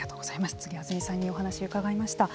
柘植あづみさんにお話を伺いました。